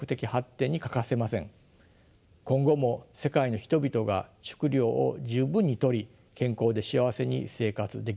今後も世界の人々が食糧を十分にとり健康で幸せに生活できるようにしたいものです。